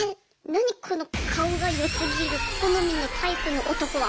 なにこの顔が良すぎる好みのタイプの男は！